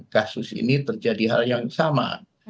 kasus ini terjadi hal yang sama